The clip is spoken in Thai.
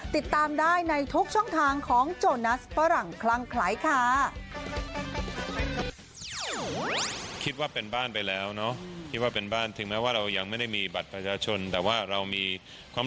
ติดตามได้ในทุกช่องทางของโจนัสฝรั่งคลั่งคล้ายค่ะ